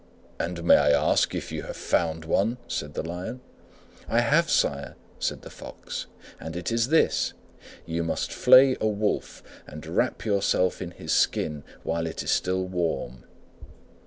"And may I ask if you have found one?" said the Lion. "I have, sire," said the Fox, "and it is this: you must flay a Wolf and wrap yourself in his skin while it is still warm."